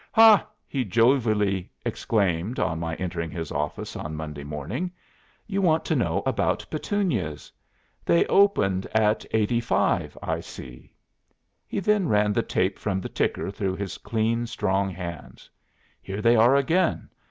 'Ha!' he jovially exclaimed, on my entering his office on Monday morning; 'you want to know about Petunias. They opened at 85 I see.' He then ran the tape from the ticker through his clean strong hands. 'Here they are again.